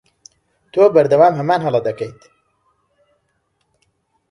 تۆ بەردەوام هەمان هەڵە دەکەیت.